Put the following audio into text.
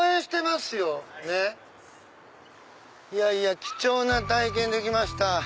いやいや貴重な体験できました。